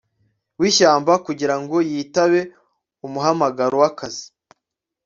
wishyamba kugirango yitabe umuhamagaro wakazi